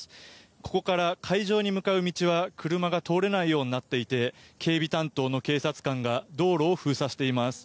ここから会場に向かう道は車が通れないようになっていて警備担当の警察官が道路を封鎖しています。